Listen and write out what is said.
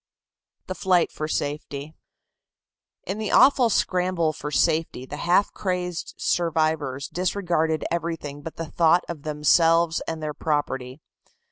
THE FLIGHT FOR SAFETY. In the awful scramble for safety the half crazed survivors disregarded everything but the thought of themselves and their property.